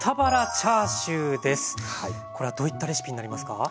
これはどういったレシピになりますか？